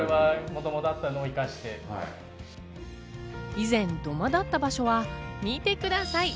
以前、土間だった場所は見てください。